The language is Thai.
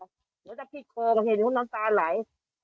หรือถ้าพี่โครงเห็นคุณน้ำตาไหล